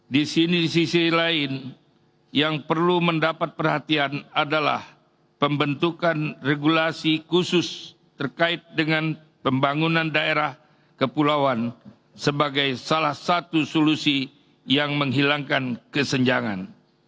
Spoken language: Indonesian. di sini di sisi lain yang perlu mendapat perhatian adalah pembentukan regulasi khusus terkait dengan pembangunan daerah kepulauan sebagai salah satu solusi yang menghilangkan kesenjangan